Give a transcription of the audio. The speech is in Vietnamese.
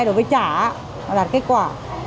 đối với chả đạt kết quả